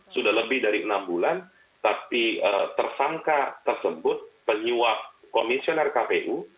sudah lebih dari enam bulan tapi tersangka tersebut penyuap komisioner kpu